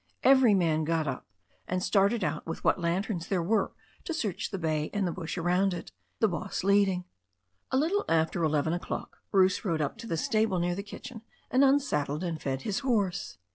Every man got up, and started out with what lanterns there were to search the bay and the bush around it, the boss leading. A little after eleven o'clock Bruce rode up to the stable near the kitchen, and unsaddled and fed his horse.